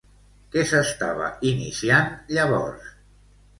Què s'estava iniciant llavors?